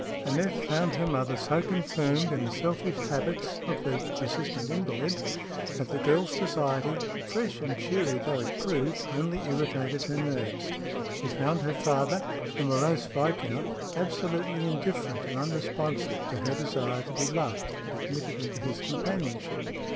Aneth found her mother so confirmed in the selfish habits of the persistent invalid, that the girl's society, fresh and cheery though it proved, only irritated her nerves. She found her father, the morose viscount, absolutely indifferent and unresponsive to her desire to be loved and admitted into his companionship.